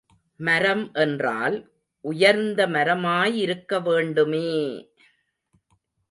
மரம் என்றால் உயர்ந்த மரமாயிருக்க வேண்டுமே!